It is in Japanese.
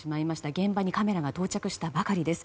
現場にカメラが到着したばかりです。